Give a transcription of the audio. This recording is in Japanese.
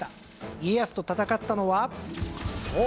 家康と戦ったのはそう！